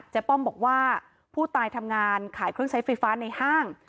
ป้อมบอกว่าผู้ตายทำงานขายเครื่องใช้ไฟฟ้าในห้าง